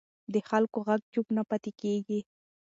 د خلکو غږ چوپ نه پاتې کېږي